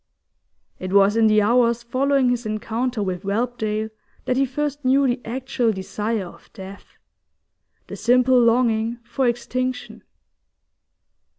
It was in the hours following his encounter with Whelpdale that he first knew the actual desire of death, the simple longing for extinction.